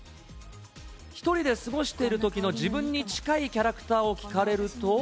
１人で過ごしているときの自分に近いキャラクターを聞かれると。